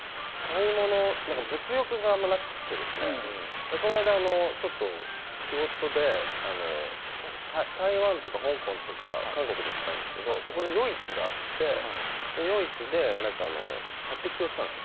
物欲があまりなくてこの間ちょっと仕事で台湾とか香港とか韓国に行ったんですけど、そこで夜市があって、夜市で射的をしたんです。